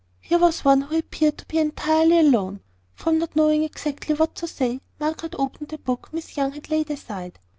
Here was one who appeared to be entirely alone. From not knowing exactly what to say, Margaret opened the book Miss Young had laid aside.